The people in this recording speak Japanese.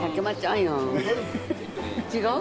違う。